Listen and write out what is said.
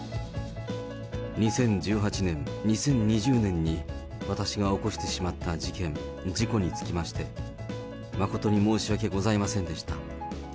２０１８年、２０２０年に私が起こしてしまった事件、事故につきまして、誠に申し訳ございませんでした。